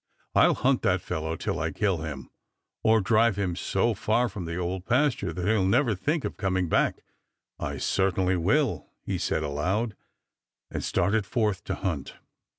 "I'll hunt that fellow till I kill him, or drive him so far from the Old Pasture that he'll never think of coming back. I certainly will!" he said aloud, and started forth to hunt.